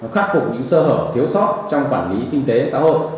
khắc phục những sơ hở thiếu sót trong quản lý kinh tế xã hội